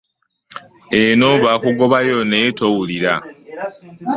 Eno baakugobayo naye towulira.